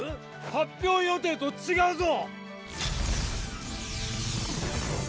発表予定と違うぞ！